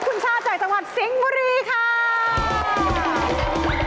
ขอฉันพบคุณชาติศาติสิงค์หมอรีค่ะ